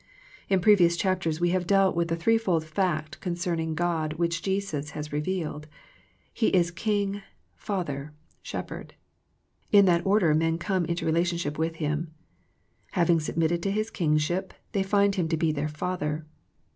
In previous chapters we have dealt with the threefold fact concerning God which Jesus has re vealed. He is King, Father, Shepherd. In that order men come into relationship with Him. Having submitted to His Kingship, they find Him to be their Father.